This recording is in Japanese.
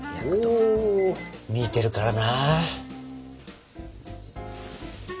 ほう見てるからな。